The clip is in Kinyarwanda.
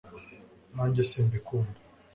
nanjye simbikunda